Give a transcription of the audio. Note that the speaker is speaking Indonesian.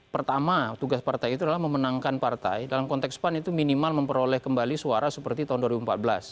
pertama tugas partai itu adalah memenangkan partai dalam konteks pan itu minimal memperoleh kembali suara seperti tahun dua ribu empat belas